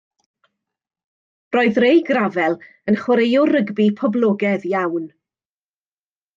Roedd Ray Gravell yn chwaraewr rygbi poblogaidd iawn.